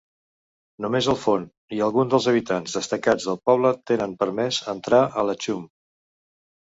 Només el fon i alguns dels habitants destacats del poble tenen permès entrar a l'Achum.